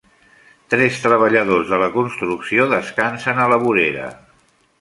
Tres treballadors de la construcció descansen a la vorera.